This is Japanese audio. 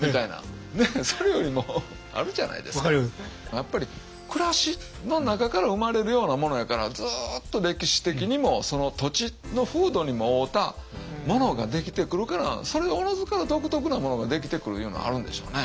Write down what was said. やっぱりくらしの中から生まれるようなものやからずっと歴史的にもその土地の風土にも合うたものが出来てくるからそれがおのずから独特なものが出来てくるいうのはあるんでしょうね。